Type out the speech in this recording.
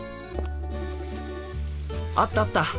あったあった！